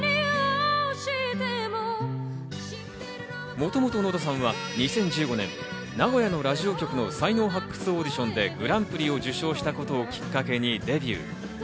もともと野田さんは２０１５年、名古屋のラジオ局の才能発掘オーディションでグランプリを受賞したことをきっかけにデビュー。